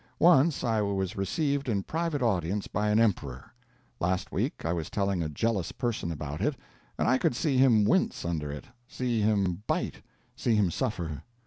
Once I was received in private audience by an emperor. Last week I was telling a jealous person about it, and I could see him wince under it, see him bite, see him suffer.